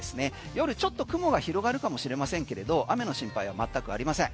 夜はちょっと雲が広がるかもしれませんけれど雨の心配は全くありません。